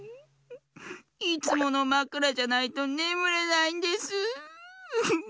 いつものまくらじゃないとねむれないんです。